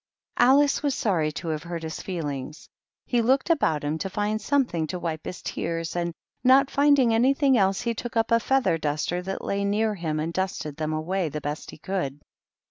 Alice was sorry to have hurt his feelings. He looked about him to find something to wipe his tears, and not finding anything else, he took up a feather duster that lay near him, and dusted them away the best he could.